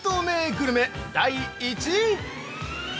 グルメ第１位！！